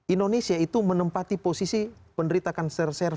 indonesia itu menempati posisi penderitaan ser ser